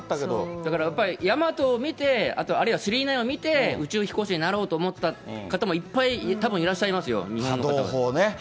だからやっぱり、ヤマトを見て、あとあるいは９９９を見て、宇宙飛行士になろうと思った方もいっぱい、たぶんいらっしゃいますよ。